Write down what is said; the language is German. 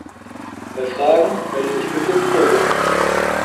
Bei Fragen melde dich bitte im Forum!